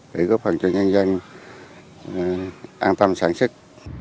để góp phần cho nhân dân an tâm sản xuất